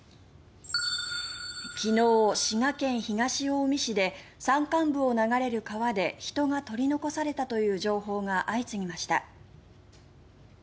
昨日、滋賀県東近江市で山間部を流れる川で人が取り残されたという情報が相次ぎました。